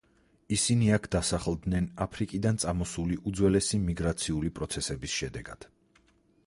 ისინი აქ დასახლდნენ აფრიკიდან წამოსული უძველესი მიგრაციული პროცესების შედეგად.